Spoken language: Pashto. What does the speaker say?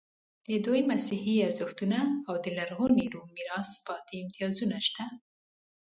د دوی مسیحي ارزښتونه او د لرغوني روم میراث پاتې امتیازونه شته.